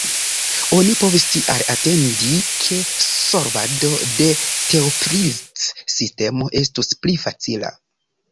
Oni povis tial atendi ke solvado de Toeplitz-sistemo estus pli facila.